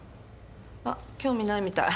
あっ興味ないみたい。